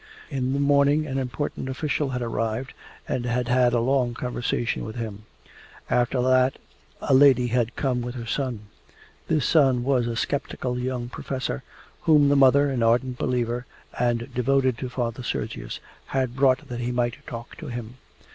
In the morning an important official had arrived and had had a long conversation with him; after that a lady had come with her son. This son was a sceptical young professor whom the mother, an ardent believer and devoted to Father Sergius, had brought that he might talk to him.